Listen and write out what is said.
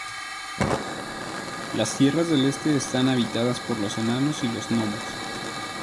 Las tierras del Este están habitadas por los enanos y los gnomos.